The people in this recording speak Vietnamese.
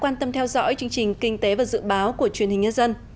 quan tâm theo dõi chương trình kinh tế và dự báo của truyền hình nhân dân